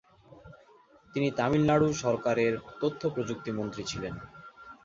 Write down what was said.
তিনি তামিলনাড়ু সরকারের তথ্য প্রযুক্তি মন্ত্রী ছিলেন।